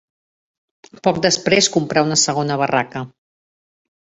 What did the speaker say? Poc després comprà una segona barraca.